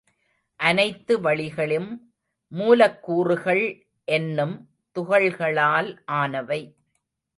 அனைத்து வளிகளும் மூலக்கூறுகள் என்னும் துகள்களால் ஆனவை.